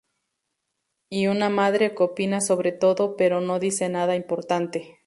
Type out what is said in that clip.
Y una madre que opina sobre todo, pero no dice nada importante.